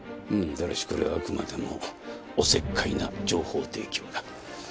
ただしこれはあくまでもお節介な情報提供だ。